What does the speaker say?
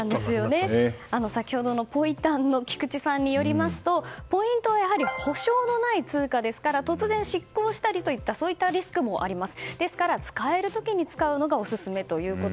先ほどのポイ探の菊地さんによりますとポイントは、やはり補償のない通貨ですから突然、失効したりというリスクもあります。